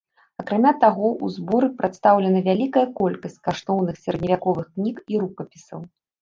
Акрамя таго ў зборы прадстаўлена вялікая колькасць каштоўных сярэдневяковых кніг і рукапісаў.